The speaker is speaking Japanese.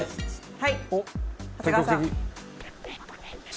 はい！